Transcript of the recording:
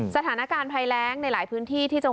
สถานการณ์ภัยแรงในหลายพื้นที่ที่จังหวัด